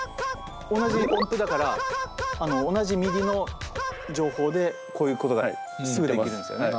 同じ音符だから同じＭＩＤＩの情報でこういうことがすぐできるんですよね。